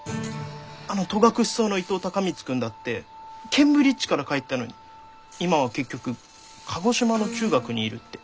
あの戸隠草の伊藤孝光君だってケンブリッジから帰ったのに今は結局鹿児島の中学にいるって。